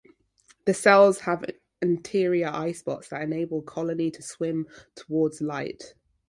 The cells have anterior eyespots that enable the colony to swim towards light.